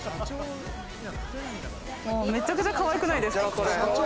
めちゃくちゃかわいくないですか。